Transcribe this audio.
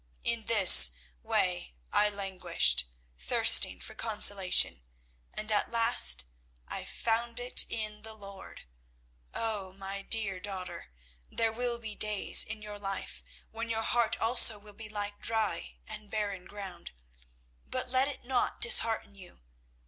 In this way I languished, thirsting for consolation, and at last I found it in the Lord. Oh, my dear daughter, there will be days in your life when your heart also will be like dry and barren ground; but let it not dishearten you.